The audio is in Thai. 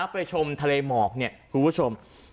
ไปชมทะเลหมอกเนี่ยคุณผู้ชม